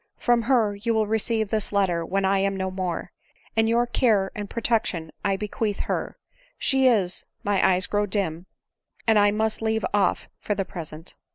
From her you will receive this letter when I am no more, and to your care and protection I bequeath her. She is — my eyes grow dim, and I must leave off for the present."